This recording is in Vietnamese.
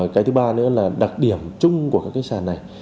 cái thứ ba nữa là đặc điểm chung của các cái sàn này